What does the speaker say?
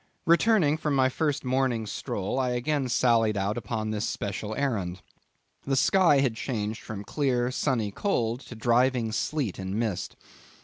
Returning from my first morning stroll, I again sallied out upon this special errand. The sky had changed from clear, sunny cold, to driving sleet and mist.